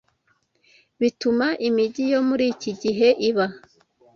bituma imijyi yo muri iki gihe iba